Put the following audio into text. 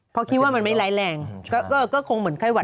เพราะคิดว่ามันไม่ร้ายแรงก็คงเหมือนไข้หวัด